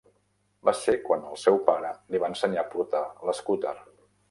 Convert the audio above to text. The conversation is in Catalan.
Va ser quan el seu pare li va ensenyar a portar l'escúter.